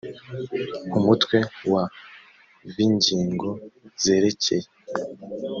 umutwe wa v ingingo zerekeye